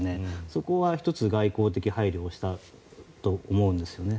そこが１つ、外交的配慮をしたと思うんですよね。